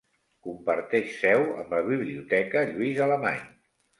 Comparteix seu amb la Biblioteca Lluís Alemany.